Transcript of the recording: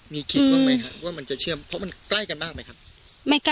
มีคิดบ้างไหมครับว่ามันจะเชื่อมเพราะมันใกล้กันมากไหมครับ